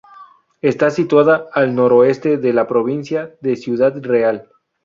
Está situada al noroeste de la provincia de Ciudad Real.